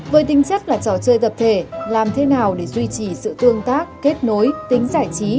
với tính chất là trò chơi tập thể làm thế nào để duy trì sự tương tác kết nối tính giải trí